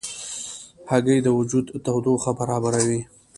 هګۍ د وجود تودوخه برابروي.